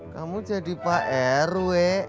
kamu jadi pak rw